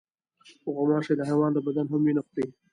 غوماشې د حیوان له بدن هم وینه خوري.